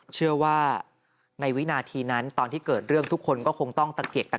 เชื่อว่าในวินาทีนั้นตอนที่เกิดเรื่องทุกคนก็คงต้องตะเกียกตะ